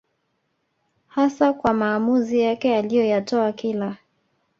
hasa kwa maamuzi yake aliyoyatoa kila